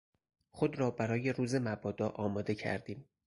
خود را برای روز مبادا آماده کردیم.